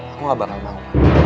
aku gak bakal mau